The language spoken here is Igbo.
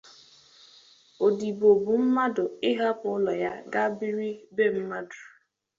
Odibo bụ mmadụ ịhapụ ụlọ ya gaa biri be mmadụ